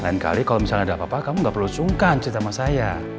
oke lain kali kalo misalnya ada apa apa kamu gak perlu sungkan ceritama saya